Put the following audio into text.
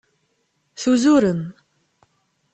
Tuzurem.